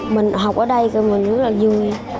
mình học ở đây mình rất là vui